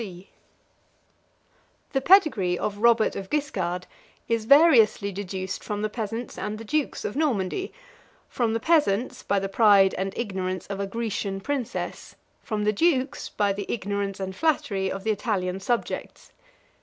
] The pedigree of Robert of Guiscard 37 is variously deduced from the peasants and the dukes of Normandy: from the peasants, by the pride and ignorance of a Grecian princess; 38 from the dukes, by the ignorance and flattery of the Italian subjects.